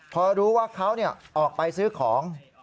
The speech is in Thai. พอรู้ว่าเขาออกไปซื้อของ